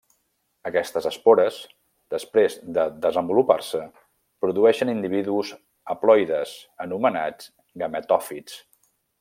Aquestes espores, després de desenvolupar-se, produeixen individus haploides, anomenats gametòfits.